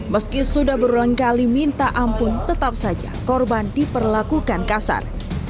meski sudah berulang kali minta ampun tetap saja korban diperlakukan kasar